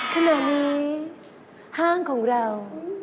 ขณะนี้ห้างของเรา